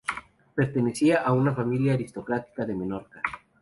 Pertenecía a una familia aristocrática de Menorca.